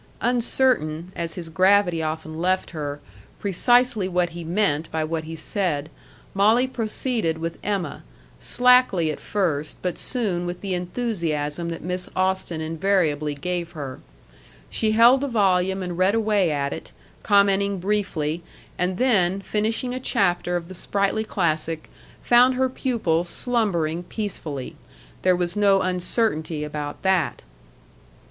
Uncertain as his gravity often left her precisely what he meant by what he said, Molly proceeded with EMMA, slackly at first, but soon with the enthusiasm that Miss Austen invariably gave her. She held the volume and read away at it, commenting briefly, and then, finishing a chapter of the sprightly classic, found her pupil slumbering peacefully. There was no uncertainty about that.